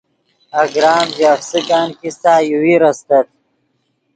اگرام ژے افسکن کیستہ یوویر استت